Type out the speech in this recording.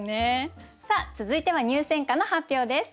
続いては入選歌の発表です。